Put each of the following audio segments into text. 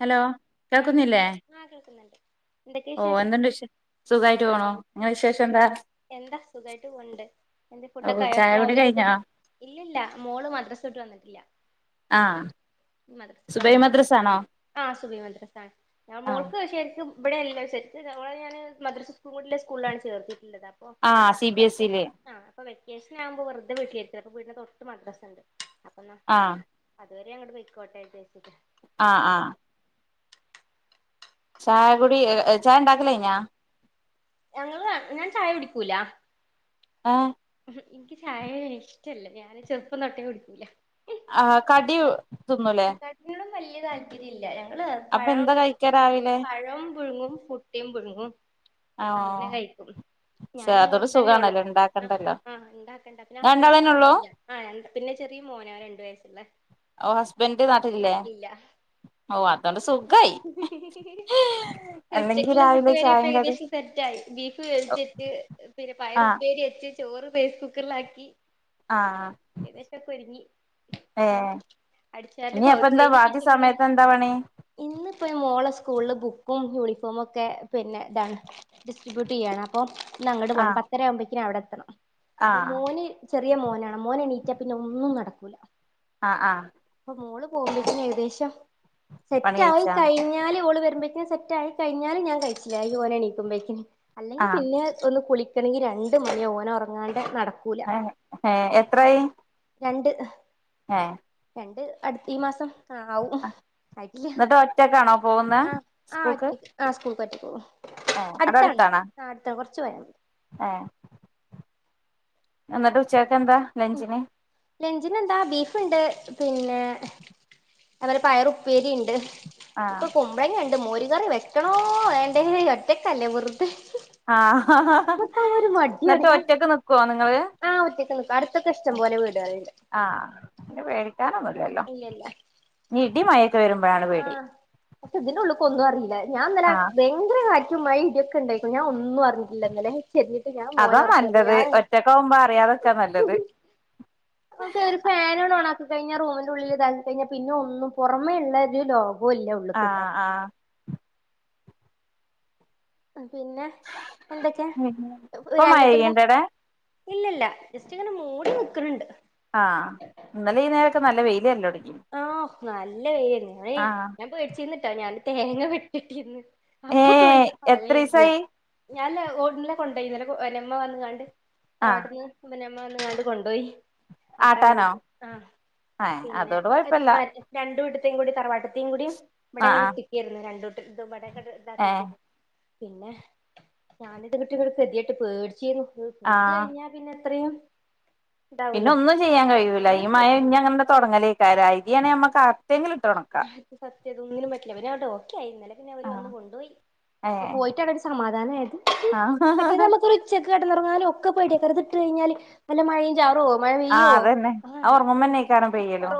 Hello ആ കേക്ക് കേൾക്കുന്നില്ലേ ആ കേൾക്കുന്നുണ്ട് എന്തൊക്കെയ ഓ വിശേഷം എന്തുണ്ട് വിശേ സുഖായിട്ട് പോണോ? ഉം എന്താസുഖായിട്ട് പോണ്ട് എന്തെ ഓ ഫുഡൊക്കെ ആയോ ചായ കുടി രാവില കഴിഞ്ഞോ [unintelligible] ഇവിടെയല്ലാം ആഹ് സുബൈ മദ്രസ ആണോ ആഹ് ശരിക്ക് ഓളെ ഞാൻ മദ്രസയും സ്കൂളും കൂടി സ്കൂളിലാണ് ചേർത്തിയത് നല്ലത് അപ്പം ആഹ് സി ബി എസ് ഇയില് [unintelligible] വെക്കേഷൻ ആവുമ്പോ വെറുതെ വീട്ടിൽ എത്തി അപ്പ വീട്ടിൻ്റ തൊട്ട് മദ്രസ് ഉണ്ട് ആഹ് ഇതുവരെ അങ്ങോട്ട് പോയിക്കോട്ടെ വിച്ചാരിച്ച് ആഹ് ആഹ് ചായ കുടി ചായ ഉണ്ടാക്കൽ കഴിഞ്ഞ? ഞങ്ങള് ഞാൻ ചായ കുടിക്കൂല ആഹ് എനിക്ക് ചായ ഇഷ്ടല്ല ഞാൻ ചെറുപ്പം തൊട്ടേ കുടിക്കൂല ആ കടി തിന്നുല്ലേ? അതിനെക്കാട്ടിലും വലിയ താല്പര്യില്ല അല്ല പഴം അങ്ങ കഴിക്കാ പഴം രാവിലെ പഴവും പുഴുങ്ങും പുട്ടും പുഴുങ്ങും അങ്ങനെ കഴിക്കും സ ഞാനും അതൊരു മോളും തന്നെ ഉള്ളു സുഖമാണല്ലോ ഉണ്ടാക്ക ആഹ് ആഹ് ഉണ്ടാക്കണ്ട പിന്നെ ഹസ്ബൻഡ് ഉള്ളൂ നാട്ടിലില ആ പിന്നെ ചെറിയ മോന രണ്ട് വയസ്സുള്ള ഓ ഹസ്ബൻഡ് നാട്ടിലില്ലേ നാട്ടിലില്ല ഓ അതോണ്ട് സുഖായി അല്ലെങ്കി ഉച്ചക്കുള്ള രാവിലെ ഫുഡ് വരെ ചായേം കടിം ഏകദേശം സെറ്റ് ആയി ബീഫ് ിച്ച പിന്നെ പയർ ആഹ് ഉപ്പേരിവെച്ച് ചോറ് റൈസ് കുക്കറിലാക്കി ആഹ് ഏകദേശം മോരുങ്ങി ഏഹ് അടിച്ച് ഇനി അപ്പ എന്താ വാരൽ ബാക്കി കിച്ചൻ കൂടിയേ സമയത്ത് ഉള്ളൂ എന്താ പണി ഇന്ന്പ്പോ മോളെ സ്കൂളില് ബുക്ക് ബുക്കും ക്കും യൂണിഫോമ ഒക്കെ പിന്നെ ഇന്നാണ് ഡിസ്ട്രിബ്യൂട്ട് ചെയ്യയാണ് അപ്പൊ ഇല്ല അങ്ങോട്ട്‌ പോണം ആഹ് പത്തര ആകുമ്പഴേക് അവിടെ എത്തണം അപ്പം ആഹ് മോന് ചെറിയ മോനാണ്. മോന് എണീറ്റാ പിന്നെ ഒന്നും നടക്കൂല ആ ആ അപ്പൊ മോള് പോകുമ്പഴ്‌ത്തേനും ഏകദേശം പണി സെറ്റായി കഴിച്ചാ കഴിഞ്ഞാല് ഓള് വ സെറ്റായി കഴിഞ്ഞാല് ഞാൻ കഴിച്ചിലായി ഓല് എനീക്കുമ്പഴേക്കും അല്ലെങ്കിൽ ആഹ് പിന്നെ ഒന്ന് കുളി ക്കണെങ്കി രണ്ട് മണിയ ഓന ഒറ ല്ലാണ്ട് നട ഹയെ ഹെ എത്രായി? രണ്ട് ഹെ രണ്ട് അടുത്ത് ഈ മാസം ആ ആവും ആയിക്കില്ല എന്നിട്ട് ഒറ്റക്കാണോ പോകുന്നെ ആ ഒറ്റക്ക് സ്കൂൾക്ക് ഒറ്റക്ക് [inaudible] ഏ അവിടെ അടുത്താണ് അടുത്താണാ ആഹ് അടുത്താണ് കൊറച്ച് പോയാ മതി ഏ എന്നിട്ട് ഉച്ചേ ലഞ്ച്നെന്താ ബീഫ്ണ്ട് പിന്നെ അത് പോലെ പയറുപ്പേരിണ്ട് ആഹ് പ്പൊ കുബ്ലങ്ങേണ് മോര് കറി വെക്കണോ വേണ്ടേ ഒറ്റക്കല്ലേ വെറുതെ ആഹ് നമ്മക്കാ ഒരു മടിയാണ് ഇന്നെട്ട് ഞാൻ ഒറ്റക്ക് നിക്കോ നിങ്ങള് ആഹ് ഒറ്റക്ക് നിക്കും അടുത്തൊക്കെ ഇഷ്ടം പോലെ വീടുകളുണ്ട് ആഹ് പിന്നെ ആഹ് പേടിക്കാനൊന്നൂല്ലല്ലോ ഇല്ല ഇല്ല ഇടിം മയിം ആഹ് അപ്പം ഇതിന്റെള്ളു കൊന്നും അറീല്ല ഞാൻ ന്നലെ ആഹ് ഭയ്ങ്കര [unintelligible] മഴിം ഇടിയൊക്കെണ്ടായ്ക്ക്ണു ഞാൻ ഒന്നും ല്ല ഇന്നലെ കെത്യട്ട് ഞാൻ അതാ മോനെ ഒർക്കിയപ്പം നല്ലത് ഞാൻ ഒറ്റക്കാവുമ്പോ അറിയാതൊക്കാ നല്ലത് ഓക്കെ ഒരു ഫേനാ ഓണാക്കി കഴിഞ്ഞാൽ റൂമിന്റെ ഉള്ളിൽ ഇതാക്കി കഴിഞ്ഞാൽ പിന്നെ ഒന്നും പുറമേള്ള ഒരു ലോകം ഇപ്പോല്ല ഉള്ള്ക്ക് ട്ടോ ആഹ് ആഹ് പിന്നെ എന്തൊക്കെ ഇപ്പൊ മഴ രാവിലക്ക് എന്താ പെയ്യ്ണ്ടടെ ഇല്ലല്ല ജസ്റ്റ് ഇങ്ങനെ മൂടി നിക്ക് ണണ്ട് ഇപ്പം നല്ല വെയിൽ വരലൊട് ആഹ് നല്ല [unintelligible] ആഹ് ഞാൻ പേടിച്ചിന്നിട്ടാ ഞാൻ തേങ്ങ വെട്ടി ട്ടീന്ന് ഏ അപ്പൊ തുടങ്ങി മഴയാണ് എത്രീസായി ഞൻ ഓ ഇന്നലെ കൊ ഇപ്പൊ ഇന്നലെ വെല്ലിമ്മ വന്ന് കണ്ട് ആഹ് തറവാട്ട്ന്ന് [unintelligible] കൊണ്ടോയി ആട്ടാൻ ആട്ടാനോ വേണ്ടിട്ട് ആഏ അതോട് കൊഴപ്പല്ല രണ്ടും വീടെത്തും കൂടി തറവാട്ടത്തും കൂടി ആഹ് ഇവിടങ്ങകളിൽ ആഹ് കിട്ടിയാരുന്നു ഏഹ് രണ്ട്കൂട്ടാർക്കും [unintelligible] പിന്നെ ഞാന് ഇത് [unintelligible] പേടിച്ചിന്നു പൂത്ത് ആഹ് കഴിഞ്ഞാൽ പിന്നെ ഇത്രയും പിന്നെ ഇതാവൂലേ ഒന്നും ചെയ്യാൻ കഴിയൂല ഈ ഒന്നും മഴ ചെയ്യാൻ ഇഞ്ഞി കഴിയില്ല അങ്ങനെ തുടങ്ങലേക്കാരായി [unintelligible] നമ്മക്ക് അ സത്യത ഒന്നിനും പറ്റില്ല, പിന്നെ അവടെ ഓക്കെആയി. ഇന്നലെ പിന്നെ അവര് വന്ന് ആഹ് കൊണ്ടുപോയി. ഏഹ് പോയിട്ട് അവിടെ ഒരു സമാധാനയത്. ആഹ് മറ്റേത് നമുക്കൊരു ഉച്ചക്ക് ന്നാലും ഒക്കെ പേടിയ, പുറത് ഇട്ട് കിഞ്ഞാല് വല്ല മഴയും ചാറുആവും മഴ പെയ്യോ? ആഹ് അതന്നെ ആ [unintelligible] ഒറങ്ങുമ്പന്നേക്കാരം പെയ്യലും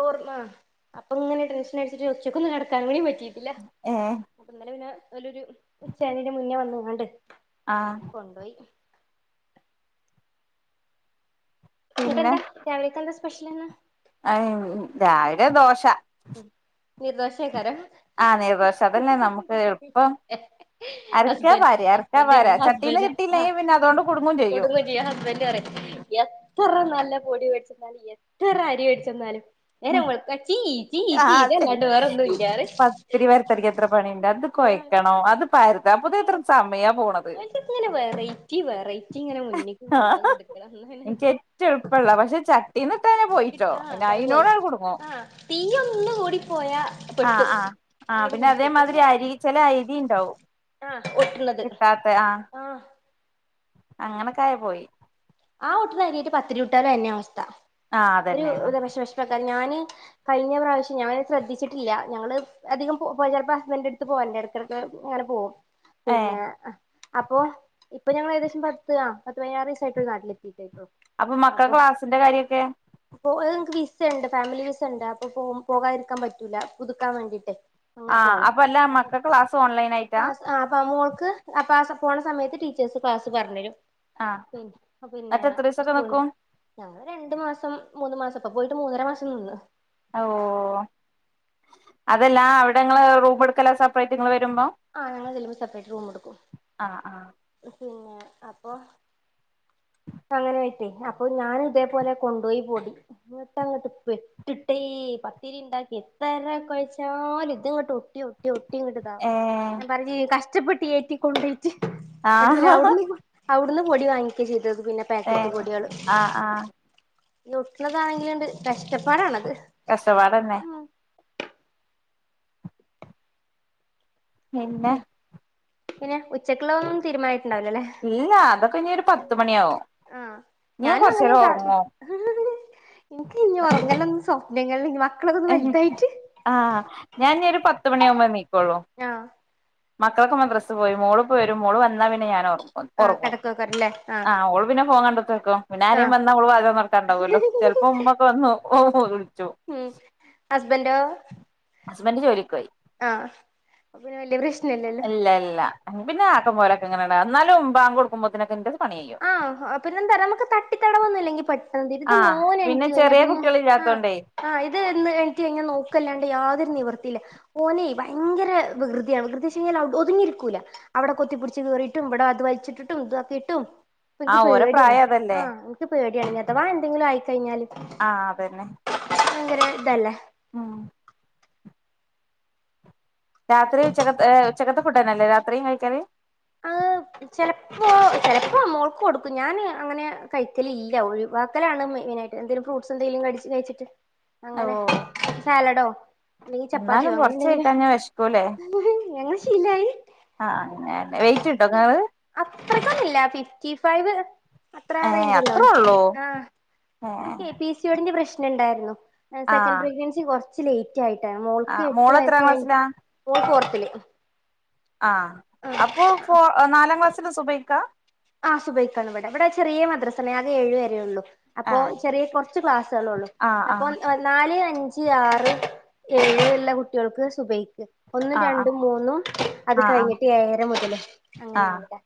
ടെൻഷൻ അടിച്ചിട്ട് ഉച്ചക്ക് ഒന്ന് കിടക്കാനും കൂടി പ റ്റിട്ടില്ല ഏഹ് ഇന്നലെ പിന്നെ ഓലൊരു ഉച്ചാണെന്റെ മുന്നേ വന്നു. മാണ്ടേ ആഹ് കൊണ്ടോയി പിന്നെ ഇടെണ്ടാ രാവിലക്കെന്താ സ് പെഷന്ലെന്നാ [unintelligible] രാവിലെ ദോശ ഉം നീർദോശായികാരം ആഹ നീർദോശ അതല്ലേ നമ്മുക്ക് എളുപ്പം. അരക്കാ ഹസ്ബൻഡ് പരാ അരക്കാ ഹസ്ബൻഡ് പരാ പറയും ചട്ടീന്ന് ഹസ്ബൻഡ് ആ കിട്ടിയില്ലെങ്കി പിന്നെ അതോണ്ട് കുടുങ്ങും ചെയ്യും. കൊടുങ്ങും ഹസ്ബൻഡ് പറയും എത്ര നല്ല പൊടി മേടിച്ചെന്നാലും, എത്ര അരി വേടിച്ചെന്നാലും നേരം വെള്ക്ക, ചീ ചീ ആ ചീ ഇതല്ലാണ്ട് വേറൊന്നും ഇല്ലാ പറയും പത്തിരി വരത്തരക്ക് എത്ര പണിയുണ്ട്, അത് ആഹ് കൊയ്ക്കണോ, അത് പരതാൻ പുതി ഇത്ര സമയം പോണ ഓൾക്കൊക്കാങ്ങനെ ഇങ്ങനെ വെറൈറ്റി വെറൈറ്റി ഇങ്ങനെ മുന്നേക്ക് കൊണ്ട ആഹ് കൊടുക്കണം എന്നെ പ്പന്നെ പോയിട്ടോ, പിന്നെ അയിനൊടന്നേ കുടുങ്ങും. തീ ഒന്ന് കൂടിപ്പോയ ആഹ് ആഹ് ആഹ് പിന്നെ അതേമാതിരി അരി ചില അരി ണ്ടാവും ആഹ് ഒട്ടുന്നത് കിട്ടാത്ത, ആഹ് അങ്ങനൊക്കെ ആയ പോയി. ആ ഒട്ടന്ന് അരിയായിട്ട് പത്തിരി ചുട്ടാലും അതന്നെ അവസ്ഥ. ആഹ് ഒരു അതന്നെയാണ് [unintelligible] ഞാന് കഴിഞ്ഞ പ്രാവശ്യം ഞാന് ശ്രദ്ധിച്ചിട്ടില്ല, ഞങ്ങള് അധികം പോയി ചിലപ്പോ ഹസ്ബൻഡന്റെ അടുത്ത് പോവാൻന്റ് ഇടുക്കട അങ്ങനെ പോകും. ഏഹ് പിന്നെ അപ്പൊ അപ്പ ഞങ്ങ ഏകശ പത്ത് പത്ത് പതിനാറീസായി [inaudible] അപ്പൊ മക്കള ക്ലാസ്സിന്റെ കാര്യൊക്കെ അപ്പൊ ഞങ്ങക്ക് വിസ ഉണ്ട് ഫാമിലി വിസ ഉണ്ട്. അപ്പൊ പോ പോകാതിരിക്കാൻ പറ്റൂല പുതുക്കാൻ വേണ്ടിട്ട് അങ്ങനെ ആഹ് പോണം അല്ല അപ്പൊ മക്കളെ ക്ലാസ് ഓൺലൈൻ ക്ല ആയിട്ടാ ആ അപ്പ മോൾക്ക് അപ്പ പോണ സമയത്ത് ടീച്ചേഴ്സ് ക്ലാസ് പറഞ്ഞരും. ആഹ് ഉം. ആഹ് പിന്നെ എന്നിട്ട് എത്ര ദിവസൊക്കെ സ്കൂളിന്ന്. നിക്കും ഞങ്ങള് രണ്ട് മാസം പ്പൊ മൂന്നു മാസം. ഇപ്പൊ പോയിട്ട് മൂന്നര മാസം നിന്ന് ഓഹ് അതല്ല അവിടെങ്ങള് റൂമ്ട്ക്കല സബ് [unintelligible] ആഹ് ഞങ്ങള് ചെല്ലുമ്പോ സപ്രൈറ്റ് റൂമ്ടുക്കും ആഹ് ആഹ് ഉം. പിന്നേ അപ്പൊ അങ്ങനെ [unintelligible] അപ്പൊ ഞാനിതേപോലെ കൊണ്ടോയി പൊടി ഇങ്ങ്ട്ട് അങ്ങട്ട് പെട്ട്ട്ടേയ് പത്തിരി ഇണ്ടാക്കി എത്തര കൊയച്ചാലും ഇത്ങ്ങ്ട്ട് ഒട്ടി ഒട്ടി ഒ ട്ടി ഇങ്ങ്ട്ട്താവും. ഏ ഞാ പറഞ് കഷ് [unintelligible] ഏറ്റി കൊണ്ടേയി [unintelligible] ഇന്നിട്ട് പിന്നെ ആഹ് അവിടുന്ന് അവിടുന്ന് പൊടി വാങ്ങിക്ക ചെയ് [unintelligible] പിന്നെ ഏ പാക്കറ്റ് പൊടീയാണ് ആഹ് ആഹ് നുറുക്കനാണസാധനയൊക്കെയുണ്ട് കഷ്ടപ്പാടാണത് കാസവാട് തന്നെ ഉം പിന്നെ പിന്നെ ഉച്ചക്ക്ള്ളോം തീരുമാ ഇല്ലാ അതൊക് ഇനി ഒരു പത്ത് മണിയാഉ ആഹ് ഞാനും അങ്ങനെ [unintelligible] ഇൻക് ഇനി ഒറങ്ങളലൊ സ്വപ് [unintelligible] എഹ് ആ ഞാൻ നിയൊരു പ ത്ത് മണിയാവുമ്പോ നീ ആഹ് മക്കളൊക്കെ മദ്റസ് പോയി. മോള് പ്പൊ വരും മോള് വന്ന പിന്നെ ഞാന് ഒർ പ്പൊ ആഹ് ഒറങ്ങും കടക്കോക്കറല്ലേ ആഹ് ഓള് പിന്നെ ഫോൺ കണ്ടുത്ത്ർക്കും പിന്നെ അൽപൊറങ്ങു ആ ഓള് പിന്നെ ഫോ കണ്ട്ട്ട് ക്കു പിന്നെ ആരേം ആഹ് വന്നാ ഓള് വാതിൽ തൊർന്നോട്ക്കണ്ടാവോലൊ ചെൽപ്പോ ഉമ്മൊക്കെ വന്ന് [unintelligible] വുൾച്ചും ഹസ്ബന്റോ ഹസ്ബന്റ് ജോലിക്കോയി ആഹ് പ്പൊ പിന്നെ വല്യ പ്രശ്നല്ലെല്ലോ ഇല്ല ഇല്ല പിന്നെ ആക്കം പോലൊക്കെങ്ങനെന്നാ ന്നാലും ബാങ്കൊടുക്കുമ്പോത്തിനൊക്കെ ഇന്റത് ആ ഹ പിന്നെ എന്താ നമുക്ക് തട്ടിത്തടവം ഒന്നും ഇല്ലെങ്കി പെട്ടെന്ന്തിരു ഇത് ആഹ് മോൻ പിന്നെ എണീറ്റ്‌ കഴിഞ്ഞ ചെറിയ പിന്നെ ആ കുട്ടികളില്ലാത്തോണ്ടേ ആ ഇത് ന്ന് എണീറ്റ്‌ കഴിഞ്ഞാ നോക്കല്ലാണ്ട് യാതൊരു നിവർ ർത്തില്ല ഓനെ ഭയങ്കര വികൃതിയാണ് വികൃതിച്ച്ഴിഞ്ഞാൽ ഒതുങ്ങിയിരിക്കൂല്ല അവിടെ കൊത്തിപ്പിടിച്ച് കേറിയിട്ടും ഇവടെ അത് വലിച്ചിട്ടിട്ടും ഇതക്കിയിട്ടും പ്പൻക്ക് ആഹ് ഓരെ പേടിയാണ് പ്രായം അതല്ലേ ആ ഇൻക്ക് പേ [unintelligible] അഥവാ എന്തങ്കിലും ആയിക്കഴിഞ്ഞാല് ആ അതന്നെ ഭയങ്കര ഇതല്ലേ ആ രാത്രി ക [unintelligible] ഏഹ് ഉച്ചക്കത്തെ ഫുഡന്നല്ലെ രാത്രിയും കഴിക്കല് ആ ചിലപ്പോ ചിലപ്പോ മോൾക്ക് കൊടുക്കും ഞാൻ അങ്ങനെ കഴിക്കല് ഇല്ല ഒഴിവാക്കലാണ് മെയിനായിട്ട് എന്തേലും ഫ്രൂട്ട്സ് എന്തെങ്കിലും ക കഴിച്ചിട്ട് അങ്ങനെ ഓഹ് സാലഡോ അല്ലെങ്കിൽ ചപ്പാത്തിയോ എന്നാലും അങ്ങനെ കൊറച്ച് എന്തെങ്കിലോ കഴിക്കാഞ്ഞാ വെശക്കൂലേ ഞങ്ങൾ ശീലായി വെയിറ്റിട്ടോ നിങ്ങള് അത്രക്കൊന്നില്ല ഫിഫ്റ്റി ഫൈവ് അത്ര ആ ഏഹ് റേഞ്ച് അത്രേ ഒള്ളൂ ആ ഏഹ് ഇനിക്കേ പി സി ഒ ഡിന്റെ പ്രശ് ണ്ടായിരുന്നു സെക്കൻ്റ് ആഹ് പ്രെഗ്നൻസി [inaudible] [inaudible] യിട്ട മോൾക്ക് ആഹ് എട്ട് മോള് വയസ് എത്രാം ക്ലാസ്സിലാ കഴി.. ആ ആഹ് അപ്പു പോ നാലാം ക്ലാസ് സുബൈക്കാ ആ സുഭയ്ക്കാണ് ഇവിടെ ഇവിടെ ചെറിയ മദ്രസമേ അകെ ഏഴു വരേ ഉള്ളു അപ്പോ ഏഹ് ചെറിയ കുറച്ച് ക്ലാസ്സുകളേള്ളു ആഹ് അപ്പൊ ആഹ് നാല് അഞ്ച് ഈ ആറ് ഏഴ് എല്ല കുട്ടികൾക്ക് സുഭൈക്ക് ഒന്നും ആഹ് ആഹ് രണ്ടും മൂന്നും അത് ആഹ് കഴിഞ്ഞിട്ട് ഏഴര മുതല് ആഹ് അങ്ങനെയാണ് ആഹ് ഇവിടെ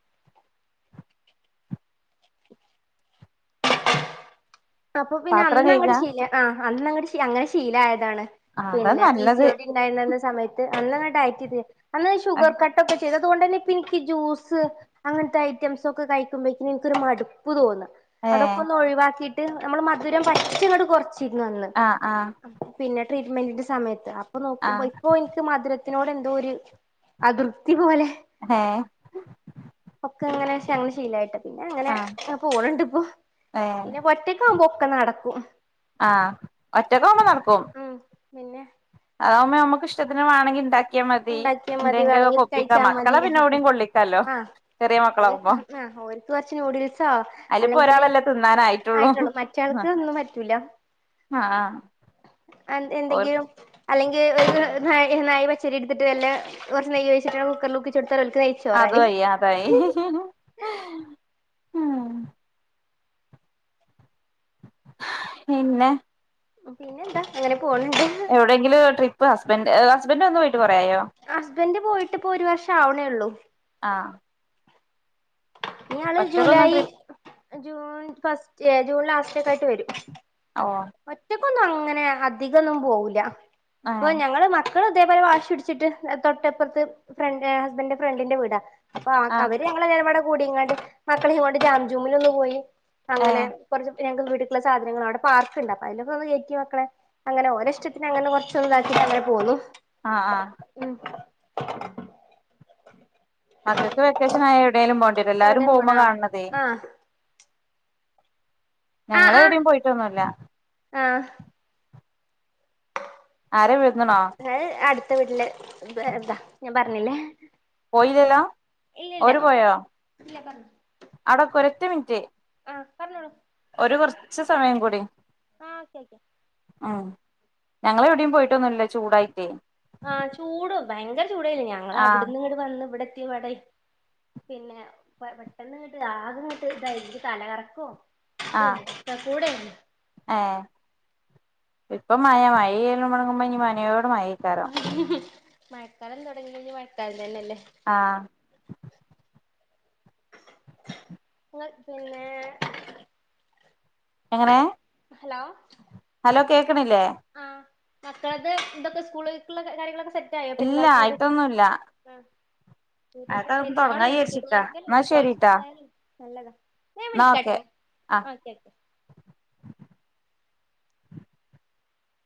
അപ്പൊ പിന്നെ പാത്രം അന്ന അങ്ങട്ട് കഴുകാ ചെയ്യ അ അന്ന് അങ്ങ.. [unintelligible] അങ്ങനെ ശീലായതാണ് ആഹ് അതാ പിന്നെ പി സി നല്ലത് യോടി ഉണ്ടായിരുന്നന്ന സമയത്ത് അന്നങ്ങോട്ട് ആയറ്റിത് അന്ന് ഷുഗർ ഏഹ് കട്ടക്ക.. അതുകൊണ്ട് തന്നെപ്പ എനിക്ക് ഇതക്കകൊണ്ടന്നെ [unintelligible] ജ്യൂസ് അങ്ങനത്തെ ഐറ്റംസ് ഒക്കെ കഴിക്കുമ്പോഴക്കേ എനിക്കൊ ഒരു മടുപ്പ് തോന്നുന്നു അതൊക്കൊന്ന് ഒഴവാക്കി.. ് നമ്മൾ മധുരം പച്ചടക്കു അങ്ങോട്ട്‌ കുറച്ച് വന്ന് ആഹ് ആഹ് പിന്നെ [inaudible] ട്രീറ്റ്മെന്റിന്റെസമയത്തു ഇപ്പോനോക്കുമ്പോ ആഹ് ഇപ്പോ എനിക്ക്മധുരം മധുര ത്തിനോട് എന്തോ ഒരു അതൃ പ്തി ഇതു ലെ ഏഹ് ഒക്കെ അങ്ങനെ ഞങ്ങള്ൾ ശീലായിട്ട് പിന്നെ അങ്ങനെ ആഹ് പോണുണ്ട് ഇപ്പോൊ ഏഹ് പിന്നെ ഒറ്റക്ക് ആാവുമ്പോ ഒക്കെ നടക്കും കൊം ഉം പിന്നെ അതാവുമ്പോ നമുക്ക്ഷ്ടത്തിന് വേണെങ്കി ഉണ്ടാക്കി എന്തെങ്കിലും ഉണ്ടാക്കിയാ മതി വേണെങ്ങി കഴിച്ചാ മതി മക്കളെ പിന്നെ അപ്പ എവിടെയും കൊള്ളിക്കാലോ ചെറിയ മക്കളാവുമ്പോ ആഹക്ക് ആഹ ഓര്ക്ക് കുറച്ച് നൂഡിൽസോ അതിലിപ്പോ അല്ലെങ്കില് ഒരാളല്ലേ തിന്നാനായിട്ടുള്ളൂ ആയിട്ടുള്ളൂ മറ്റ ആൾക്ക് ഒന്നും പറ്റൂല ആഹ് ഓർ എന്തെങ്കിലും അല്ലെങ്കിൽ ന [inaudible] ചരിടുട്ട് വല്ല കുറച്ച് നെയ്യ്ഴിട്ട കുക്കറിൽ കുക്കിച്ച കൊടു [inaudible] അതും അയ്യാതായി പിന്നെ പിന്നെ എന്താ അങ്ങനെ പോണണ്ട് എവിടെയെങ്കിലും ട്രിപ്പ് ഇപ്പ ഹസ്ബന്റ് ഹസ്ബൻഡ് വന്നു വീട്ടിൽ [unintelligible] ഹസ്ബന്ഡ് പോയിട്ട് ഇപ്പൊ ഒരു വർഷം ആവണേള്ളൂ ആഹ് ഇനി അ യാള് ഒറ്റക്കൊന്നും ജൂലൈ ട്രിപ്പ് ജൂൺ ഫസ് യെ ജൂൺ ലാസ്റ്റേക്ക ആയിട്ട് വരും ഓ പ്പം ഒന്നും അങ്ങനെ അധികകൊന്നും പോവൂല ഓ ഏഹ് ഞങ്ങള് മ മക്കൾ ഇതേപോലെ വാശിടിച്ചിട്ട് തൊട്ടപ്പുറത്ത് ഫ്രണ്ട ഹസ്ബൻഡന്റെ ഫ്രണ്ടിന്റെ വീടാ അപ്പൊ ആഹ് അവര് ഞങ്ങളെ നിലപാടു കൂടി ഇങ്ങ് മക്കള ഇങ്ങോട്ട് ജാം ജൂമിൽ ഒന്നു പോയി അങ്ങനെ ഏഹ് കുറച്ച് ഞങ്ങൾ വീട്ടിലേക്കുള്ള സാധങ്ങൾ ആണ് അവുടെ പാർ ണ്ട് അപ്പ അതിലൊക്ക ഒക്കെ കേറ്റി മക്കളെ അങ്ങനെ ഓരോ ഇഷ്ടത്തിന് അങ്ങനെ കൊർച്ചതാക്കി അങ്ങനെ പോന്നു ആ ആ [unintelligible] മക്കക് വെക്കേഷൻ [unintelligible] ടേലും പോണ്ടിരും എല്ലാരും എവിടെയും പോണ പോവ്പോ കാണതേ ആഹ് ആഹ് ആഹ് ഞങ്ങളെവിടീം പോയിട്ടൊന്നുല്ല ആഹ് ആരെ [unintelligible] ത്തെ വീട്ടില് [unintelligible] ഞാൻ പറഞ്ഞിലല്ലേ പോയില്ലല്ലോ ഒര് പോയോ ഇല്ല പറഞ്ഞോ അതൊക്കൊര് റ്റമിൻറ്റ് ആ പറഞ്ഞോളൂ രു കൊർച്ച് സമയം കൂടി ആഹ് ഓക്കെ ഓക്കെ ഉം ഞങ്ങളെവിടീം പോയിട്ടൊന്നുല്ല ചൂടായിട്ടേ ആഹ് ചൂട് ഭയങ്കര ചൂടല്ലയ്നോ ഞങ്ങ ആഹ് അവിടന്ന് ങ്ങട് വന്ന് ഇവിടെ [unintelligible] പിന്നെ പെ പെട്ടെന്ന് ങ്ങട്ട് ആകങ്ങട്ട് ദായി ക് തലകറക്കു [unintelligible] ഏ ഇപ്പൊ മഴ മഴ [unintelligible] മയേക്കാരം മഴക്കാലം തുടങ്ങിഴിഞ്ഞ മഴക്കാലന്നെല്ലെ ആ പിന്നെ എങ്ങനെ ഹലോ ഹലോ കേ ക്ക്ണില്ലേ ആഹ് മക്കളത് ന്തൊക്കെ സ്കൂള്ക്ക് ള്ള കാര്യങ്ങളൊക്കെ സെറ്റയോ ഇല്ല പെരുന്നാൾക്കതൊക്കെ ആയിട്ടൊന്നുല്ല ഇപ്പ അതൊന്ന് തുടങ്ങാ പെരുന്നാളും സ്കൂള് വിചാരിച്ചിക്കാ എന്നാ ശരിട്ടാ തെക്കലും നല്ലത ഞൻ എന്നാ വിളിക്കട്ടെ ഓക്കെ ആ ഓക്കെ